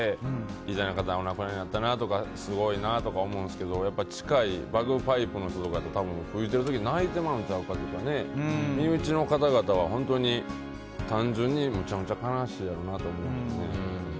偉大な方がお亡くなりになったなとかすごいなと思うんですけど近い、バグパイプの人とかって吹いてる時に泣いてまうんちゃうかとか身内の方々は本当に単純にむちゃむちゃ悲しいやろうなと思いますね。